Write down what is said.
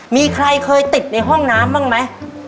มีใครเคยติดในห้องน้ำบ้างไหม